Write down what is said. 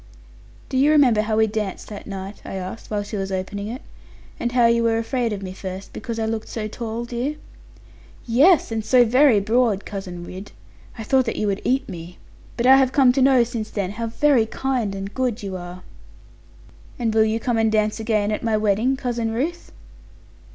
'Do you remember how we danced that night?' I asked, while she was opening it; 'and how you were afraid of me first, because I looked so tall, dear?' 'Yes, and so very broad, Cousin Ridd. I thought that you would eat me. But I have come to know, since then, how very kind and good you are.' 'And will you come and dance again, at my wedding, Cousin Ruth?'